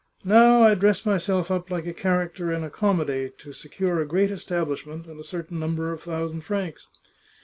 Now I dress myself up like a character in a comedy to secure a great establishment and a certain number of thousand francs.